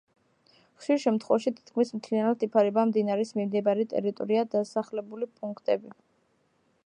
ხშირ შემთხვევაში თითქმის მთლიანად იფარება მდინარის მიმდებარე ტერიტორია, დასახლებული პუნქტები.